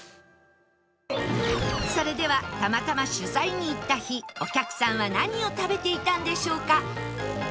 それではたまたま取材に行った日お客さんは何を食べていたんでしょうか？